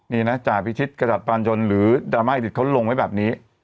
นี่นะจ่ายพิษกระจัดปาญญนหรือดารม่าอิติฯเขาลงไว้แบบนี้